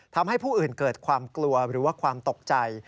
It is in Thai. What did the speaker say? ทำให้ผู้อื่นเกิดความกลัวหรือว่าความตกใจ